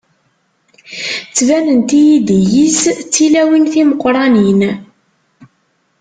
Ttbanent-iyi-d iyi-s d tilawin timeqranin.